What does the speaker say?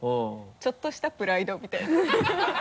ちょっとしたプライドみたいな。